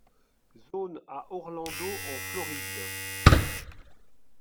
Zone à Orlando en Floride.